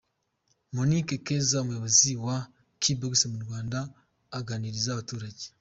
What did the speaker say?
Monique Keza, umuyobozi wa Bbox mu Rwanda aganiriza abaturage.